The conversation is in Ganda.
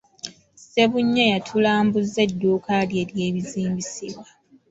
Ssebunya yatulambuzza edduuka lye ery'ebizimbisibwa.